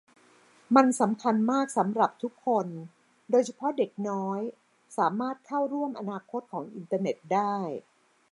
มันสำคัญมากสำหรับทุกคนโดยเฉพาะเด็กน้อยสามารถเข้าร่วมอนาคตของอินเทอร์เน็ตได้